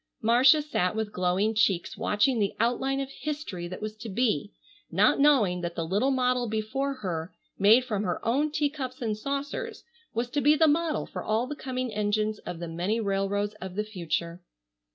Marcia sat with glowing cheeks watching the outline of history that was to be, not knowing that the little model before her, made from her own teacups and saucers, was to be the model for all the coming engines of the many railroads of the future.